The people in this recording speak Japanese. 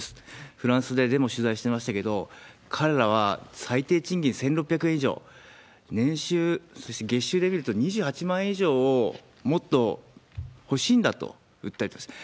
フランスでデモ取材してましたけど、彼らは最低賃金１６００円以上、年収、そして月収レベルなど２８万円以上をもっと欲しいんだと訴えています。